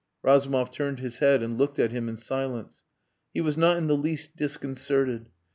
Razumov turned his head and looked at him in silence. He was not in the least disconcerted.